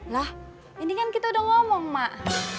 lah ini kan kita udah ngomong mak